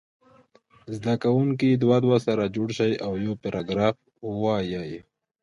زده کوونکي دوه دوه سره جوړ شي او یو پاراګراف ووایي.